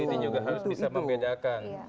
ini juga harus bisa membedakan